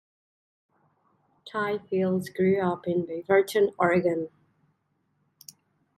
Tye Fields grew up in Beaverton, Oregon.